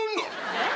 えっ？